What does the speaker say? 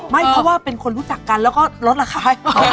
ไม่เพราะว่าเป็นคนรู้จักกันแล้วก็ลดราคาให้